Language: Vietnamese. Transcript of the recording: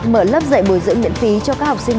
mở lớp dạy bồi dưỡng miễn phí cho các học sinh